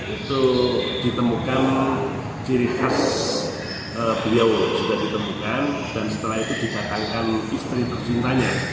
itu ditemukan ciri khas beliau dan setelah itu dikatakan istri tersintanya